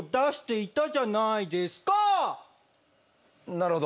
なるほど。